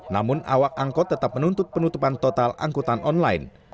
namun awak angkut tetap menuntut penutupan total angkutan online